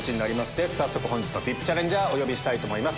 です早速本日のＶＩＰチャレンジャーお呼びしたいと思います